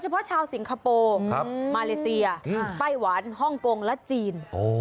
เพราะชาวสิงคโปร์มาเลเซียไต้หวันฮ่องกงและจีน